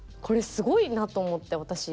これすごいなと思って私。